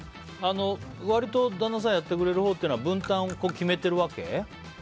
割と旦那さんやってくれるほうっていうのは分担を決めてるわけ？